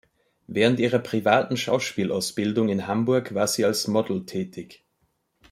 Während ihrer privaten Schauspielausbildung in Hamburg war sie als Model tätig.